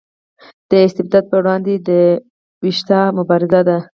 د استبداد پر وړاندې د ویښتیا مبارزه وه.